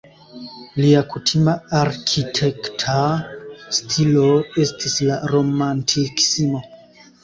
Lia kutima arkitekta stilo estis la romantikismo.